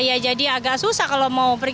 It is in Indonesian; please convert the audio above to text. ya jadi agak susah kalau mau pergi